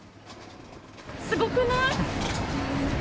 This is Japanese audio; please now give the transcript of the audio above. すごくない？